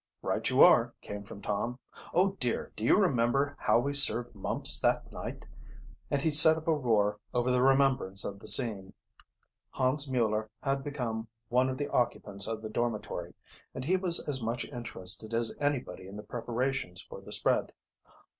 "Right you are!" came from Tom, "Oh dear, do you remember how we served Mumps that night!" and he set up a roar over the remembrance of the scene. Hans Mueller had become one of the occupants of the dormitory, and he was as much, interested as anybody in the preparations for the spread.